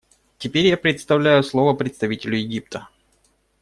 Теперь я предоставляю слово представителю Египта.